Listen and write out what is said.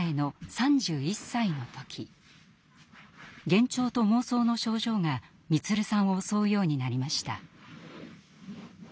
幻聴と妄想の症状が満さんを襲うようになりました。